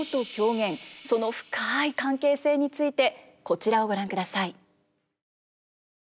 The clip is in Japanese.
その深い関係性についてこちらをご覧ください。